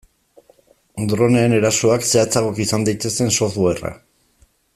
Droneen erasoak zehatzagoak izan daitezen softwarea.